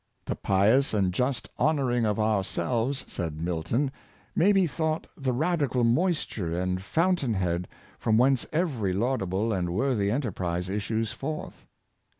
" The pious and just honoring of ourselves," said Milton, " may be thought the radi cal moisture and fountain head from whence every laud able and worthy enterprise issues forth."